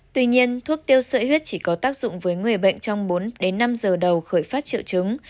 tuy nhiên thuốc tiêu sợi huyết chỉ có tác dụng với người bệnh trong bốn đến năm giờ đầu khởi phát triệu chứng